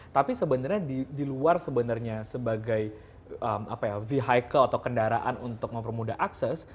tapi sebenarnya di luar sebenarnya sebagai vehicle atau kendaraan untuk mempermudah akses